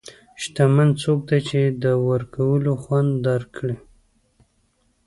شتمن څوک دی چې د ورکولو خوند درک کړي.